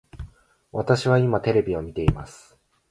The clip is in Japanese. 私は今テレビを見ています